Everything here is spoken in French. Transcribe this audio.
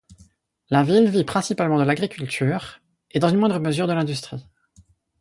La ville vit principalement de l'agriculture, et dans une moindre mesure de l'industrie.